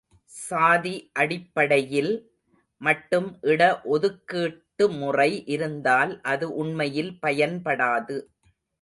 சாதி அடிப்படையில் மட்டும் இட ஒதுக்கீட்டுமுறை இருந்தால் அது உண்மையில் பயன்படாது.